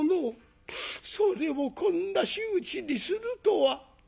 それをこんな仕打ちにするとは。